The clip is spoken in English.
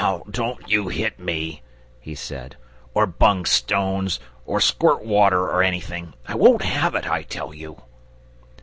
"Now don't you hit me," he said; "or bung stones, or squirt water, or anything. I won't have it, I tell you!"